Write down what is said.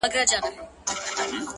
رڼا ترې باسم له څراغه “